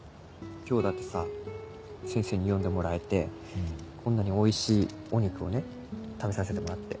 今日だってさ先生に呼んでもらえてこんなにおいしいお肉をね食べさせてもらって。